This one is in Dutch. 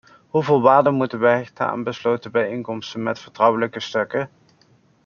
Hoeveel waarde moeten we hechten aan besloten bijeenkomsten met vertrouwelijke stukken?